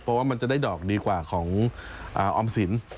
เพราะว่ามันจะได้ดอกดีกว่าของออมสิน